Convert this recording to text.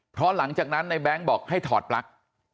เพราะหลังจากนั้นในแบงค์บอกให้ถอดปลั๊ก